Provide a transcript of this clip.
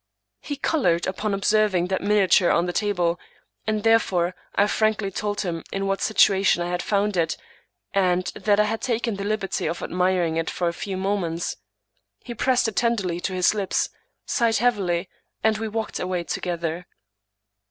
He colored upon observing the miniature on the table; and, therefore, I frankly told him in what situation I had found it, and that I had taken the liberty of admiring it for a few moments. He pressed it tenderly to his lips, sighed heavily, and we walked away together.